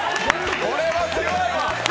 これは強い。